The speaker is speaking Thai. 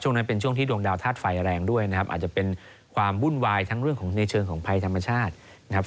นั้นเป็นช่วงที่ดวงดาวธาตุไฟแรงด้วยนะครับอาจจะเป็นความวุ่นวายทั้งเรื่องของในเชิงของภัยธรรมชาตินะครับ